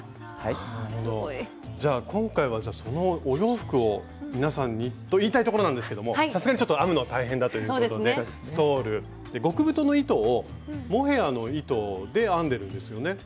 じゃあ今回はそのお洋服を皆さんにと言いたいところなんですけどもさすがにちょっと編むのは大変だということでストール極太の糸をモヘアの糸で編んでるんですよね。